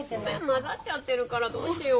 混ざっちゃってるからどうしよう。